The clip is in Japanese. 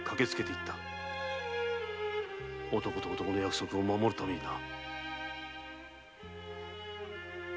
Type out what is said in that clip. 男と男の約束を守るためにだ。